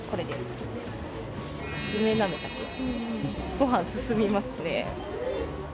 ご飯、進みますね。